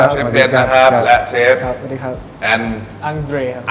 สวัสดีครับ